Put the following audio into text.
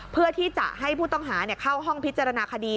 เพื่อที่จะให้ผู้ต้องหาเข้าห้องพิจารณาคดี